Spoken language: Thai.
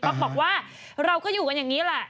บอกว่าเราก็อยู่กันอย่างนี้แหละ